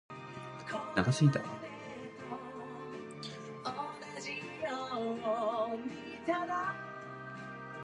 It is now known as Phillips Theological Seminary, and is located in Tulsa, Oklahoma.